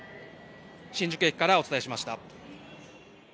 新宿駅からお伝えしました。